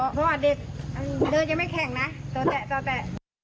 เพราะว่าเด็กเดินยังไม่แข็งนะต่อแตะต่อแตะ